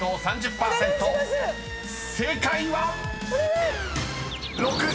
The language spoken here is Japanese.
［正解は⁉］